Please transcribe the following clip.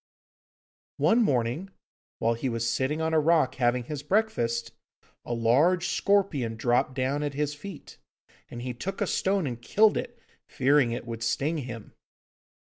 One morning, while he was sitting on a rock having his breakfast, a large scorpion dropped down at his feet, and he took a stone and killed it, fearing it would sting him.